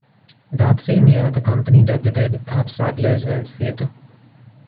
That same year, the company debuted at Sadler's Wells Theatre.